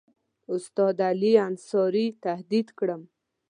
استاد علي انصاري تهدید کړم.